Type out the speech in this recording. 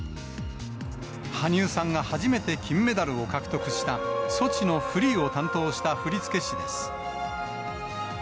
羽生さんが初めて金メダルを獲得した、ソチのフリーを担当した振り付け師です。